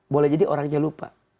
boleh jadi orangnya lupa